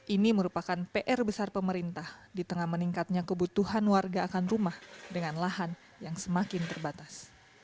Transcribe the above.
ini merupakan pr besar pemerintah di tengah meningkatnya kebutuhan warga akan rumah dengan lahan yang semakin terbatas